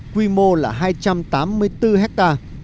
quy mô là hai trăm tám mươi bốn hectare